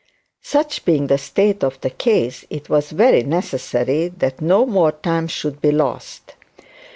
Such being the state of the case, it was very necessary that no more time should be lost.